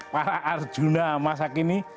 para arjuna masakin ini